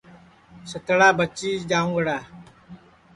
ستڑا بچی جاؤنٚگڑا